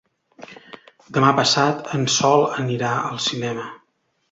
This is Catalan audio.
Demà passat en Sol anirà al cinema.